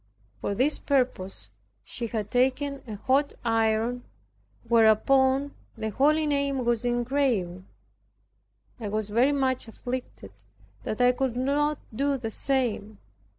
For this purpose she had taken a hot iron, whereupon the holy name was engraven. I was very much afflicted that I could not do the same.